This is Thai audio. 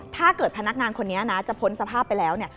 ถ้าเกิดพนักงานคนนี้นะจะพ้นสภาพไปแล้วเนี่ย